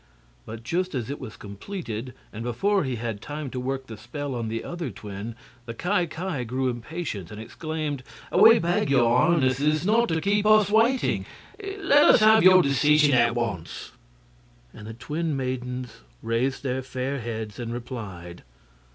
But just as it was completed, and before he had time to work the spell on the other twin, the Ki Ki grew impatient, and exclaimed: "We beg your Highnesses not to keep us waiting. Let us have your decision at once!" And the twin maidens raised their fair heads and replied.